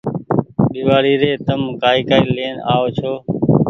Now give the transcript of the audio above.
ۮيوآڙي ري تم ڪآئي ڪآئي لين آئو ڇو